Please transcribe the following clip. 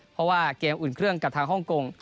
เพราะว่าเกมอุ่นเครื่องกับทางฮ่องกง